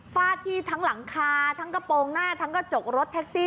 ฟาดที่ทั้งหลังคาทั้งกระโปรงหน้าทั้งกระจกรถแท็กซี่